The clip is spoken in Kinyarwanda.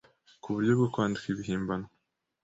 ku buryo bwo kwandika ibihimbano.”